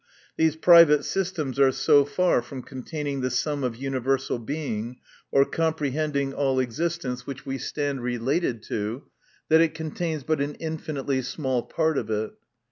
These private systems art so far from containing the sum of universal Being, or comprehend ino all existence which we stand related to, that it contains but an infinitely small part of it.